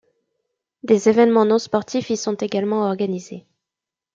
Des événements non-sportifs y sont également organisés.